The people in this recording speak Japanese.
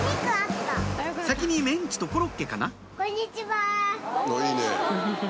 先にメンチとコロッケかな？